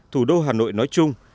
thủ đô hà nội nói chung